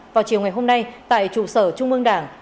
vào chiều ngày hôm nay tại trụ sở trung ương đảng